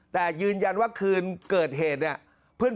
แต่ยืนยันว่าคืนเกิดเหตุเนี่ย